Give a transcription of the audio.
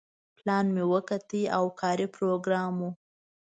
پلان مې وکوت او کاري پروګرام و.